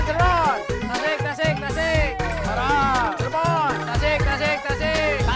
tasik tasik tasik